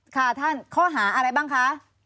ค่ะท่านข้อหาอะไรบ้างคะ